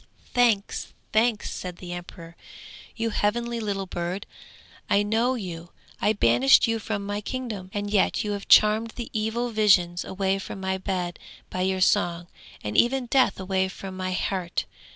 'Thanks, thanks!' said the emperor; 'you heavenly little bird, I know you! I banished you from my kingdom, and yet you have charmed the evil visions away from my bed by your song, and even Death away from my heart!